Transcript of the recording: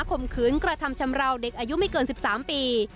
ข่มขืนกระทำชำราวเด็กอายุไม่เกิน๑๓ปี